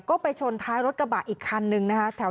ก็ไปชนท้ายรถกระบะอีกคันนึงนะคะ